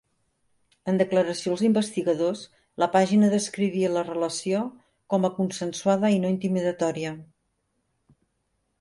En declaració als investigadors, la pàgina descrivia la relació com a consensuada i no intimidatòria.